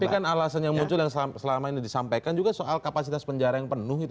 tapi kan alasan yang muncul yang selama ini disampaikan juga soal kapasitas penjara yang penuh itu